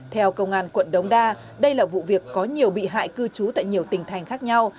theo công an quận đống đa đây là vụ việc có nhiều bị hại cư trú tại nhiều tỉnh thành khác nhau